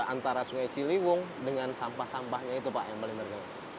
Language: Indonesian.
antara sungai ciliwung dengan sampah sampahnya itu pak yang paling terkenal